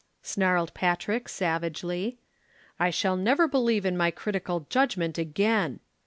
snarled Patrick savagely. "I shall never believe in my critical judgment again.